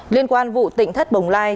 liên quan vụ tỉnh thất bồng lai